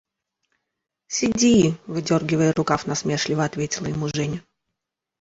– Сиди! – выдергивая рукав, насмешливо ответила ему Женя.